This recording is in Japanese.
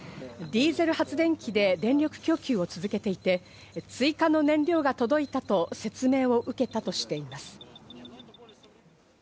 ディーゼル発電機で電力供給を続けていて、追加の燃料が届いたと説明を受けたとしています。